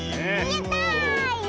やった！